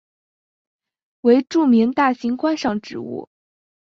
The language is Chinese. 为著名大型观赏植物。